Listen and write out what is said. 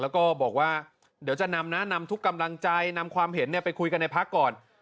แล้วก็บอกว่าเดี๋ยวจะนำนะนำทุกกำลังใจนำความเห็นไปคุยกันในพักก่อน